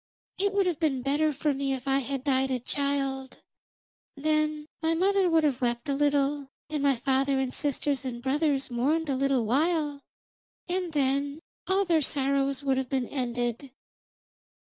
It would have been better for me if I had died a child; then my mother would have wept a little, and my father and sisters and brothers mourned a little while, and then all their sorrow would have been ended.'